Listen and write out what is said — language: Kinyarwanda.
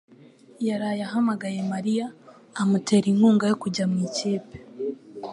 yaraye ahamagaye Mariya amutera inkunga yo kujya mu ikipe